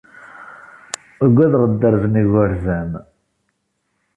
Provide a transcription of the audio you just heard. Ugadeɣ dderz n igerzan